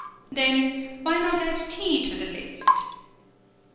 Then, why not add tea to the list?